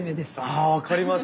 あ分かります。